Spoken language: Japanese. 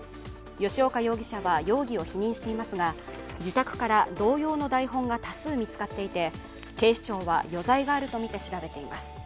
吉岡容疑者は容疑を否認していますが、自宅から同様の台本が多数見つかっていて、警視庁は余罪があるとみて調べています。